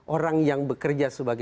orang yang bekerja sebuah perusahaan